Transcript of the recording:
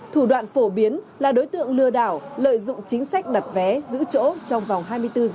thủ đoạn phổ biến là đối tượng lừa đảo lợi dụng chính sách đặt vé giữ chỗ trong vòng hai mươi bốn h